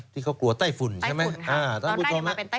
ที่เขากลัวไต้ฝุ่นใช่ไหม